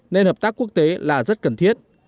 nên hợp tác quốc tế là rất cần thiết